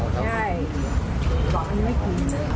อย่างนั้น